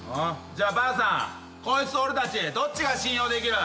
じゃあばあさんこいつと俺たちどっちが信用できる？